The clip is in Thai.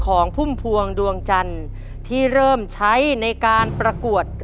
ของภูมิภวงดวงจันทร์ที่เริ่มใช้ในการประกวดร้องเพลง